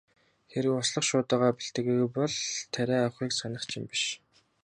Хэрэв услах шуудуугаа бэлтгээгүй бол тариа авахыг санах ч юм биш.